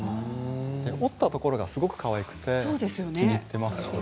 折ったところがすごくかわいくて気に入っています。